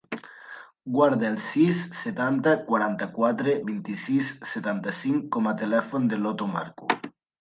Guarda el sis, setanta, quaranta-quatre, vint-i-sis, setanta-cinc com a telèfon de l'Oto Marcu.